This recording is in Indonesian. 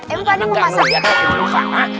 emu tadi mau masak